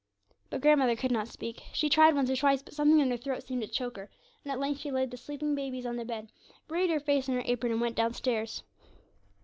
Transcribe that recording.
But grandmother could not speak. She tried once or twice, but something in her throat seemed to choke her, and at length she laid the sleeping babies on the bed, buried her face in her apron, and went downstairs.